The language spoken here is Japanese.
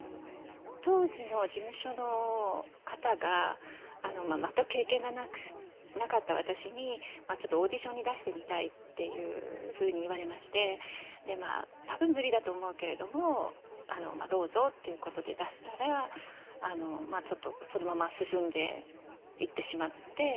当時の事務所の方が全く経験がなかった私にちょっとオーディションに出してみたいっていうふうに言われましてまあ多分無理だと思うけれどもどうぞってことで出したらちょっとそのまま進んでいってしまって。